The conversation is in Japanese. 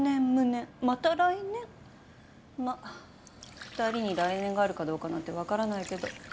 まっ２人に来年があるかどうかなんて分からないけど。